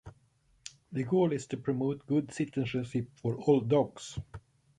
The goal is to promote good citizenship for all dogs.